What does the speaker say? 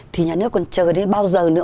thì nhà nước còn chờ đến bao giờ nữa